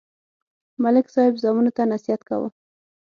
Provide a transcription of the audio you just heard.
ملک صاحب زامنو ته نصحت کاوه